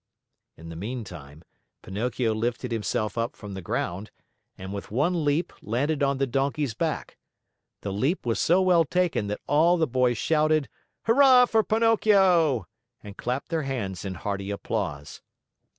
In the meantime, Pinocchio lifted himself up from the ground, and with one leap landed on the donkey's back. The leap was so well taken that all the boys shouted, "Hurrah for Pinocchio!" and clapped their hands in hearty applause.